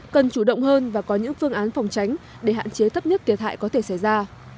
cần chủ động hơn và có những phương án phòng tránh để hạn chế thấp nhất thiệt hại có thể xảy ra